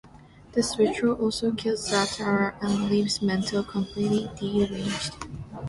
This ritual also kills Zatara and leaves Mento completely deranged.